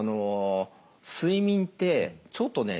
睡眠ってちょっとね